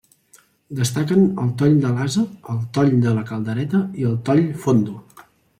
Destaquen el toll de l'Ase, el toll de la Caldereta i el toll Fondo.